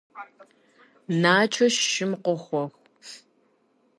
Начо шым къохуэх.